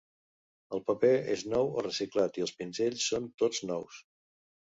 El paper és nou o reciclat i els pinzells són tots nous.